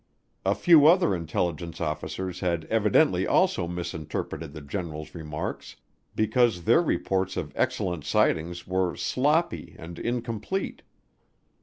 A few other intelligence officers had evidently also misinterpreted the general's remarks because their reports of excellent sightings were sloppy and incomplete.